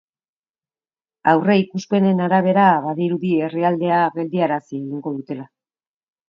Aurreikuspenen arabea, badirudi herrialdea geldiarazi egingo dutela.